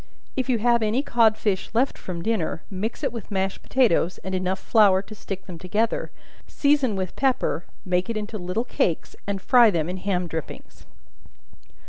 If you have any cod fish left from dinner, mix it with mashed potatoes, and enough flour to stick them together; season with pepper; make it into little cakes, and fry them in ham drippings.